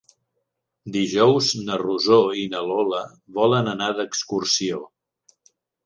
Dijous na Rosó i na Lola volen anar d'excursió.